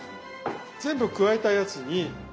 全部加えたやつに。